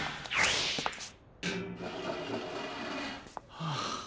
はあ。